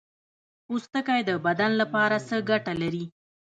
پوستکی د بدن لپاره څه ګټه لري